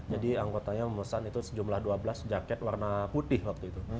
anggotanya memesan itu sejumlah dua belas jaket warna putih waktu itu